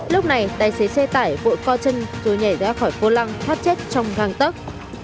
lúc này tài xế xe tải vội co chân rồi nhảy ra khỏi cô lăng thoát chết trong găng tấc